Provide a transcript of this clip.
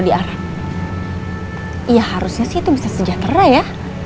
ya harusnya sih itu bisa sejahtera ya